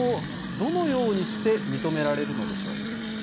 どのようにして認められるのでしょう。